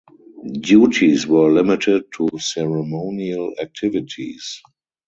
Duties were limited to ceremonial activities.